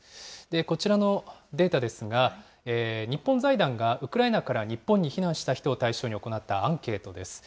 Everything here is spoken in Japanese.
こちらのデータですが、日本財団がウクライナから日本に避難した人を対象に行ったアンケートです。